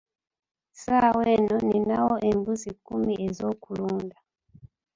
Ssaawa eno ninawo embuzi kkumi ez'okuluda.